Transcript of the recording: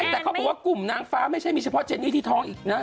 แต่กลุ่มนางฟ้าไม่ใช่เฉพาะเจนี่ที่ท้องอีกนะ